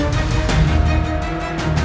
dan seratus persen tepatnya